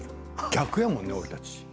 逆やもんね、俺たち。